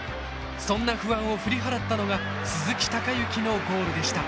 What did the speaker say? そんな不安を振り払ったのが鈴木隆行のゴールでした。